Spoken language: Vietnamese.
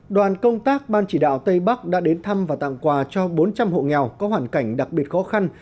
đoàn công tác ban chỉ đạo tây bắc đã đến thăm và tặng quà cho bốn trăm linh hộ nghèo có hoàn cảnh đặc biệt khó khăn